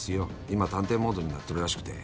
今探偵モードになってるらしくて。